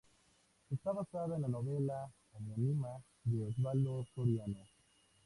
Está basada en la novela homónima de Osvaldo Soriano.